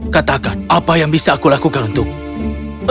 katakan apa yang bisa aku lakukan untukmu